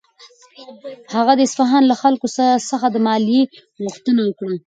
هغه د اصفهان له خلکو څخه د مالیې غوښتنه وکړه.